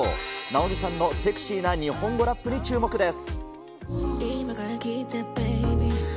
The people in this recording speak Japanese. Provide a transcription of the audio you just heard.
直美さんのセクシーな日本語ラップに注目です。